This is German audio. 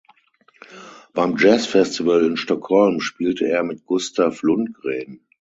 Beim Jazzfestival in Stockholm spielte er mit Gustav Lundgren.